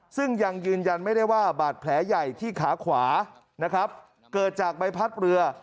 ซึ่งยังยืนยันไม่ได้ว่าบาดแผลใหญ่ที่ขาขวานะครับเกิดจากใบพัดเรือ